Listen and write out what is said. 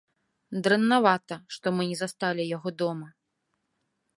Дрэннавата, што мы не засталі яго дома.